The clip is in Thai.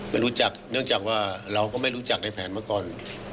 ไม่รู้จักเนื่องจากว่าเราก็ไม่รู้จักในแผนมาก่อน